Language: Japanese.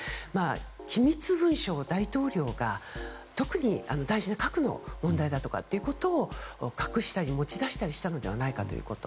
機密文書を大統領が特に大事な核の問題だとかということを隠したり持ち出したりしたのではないかということ。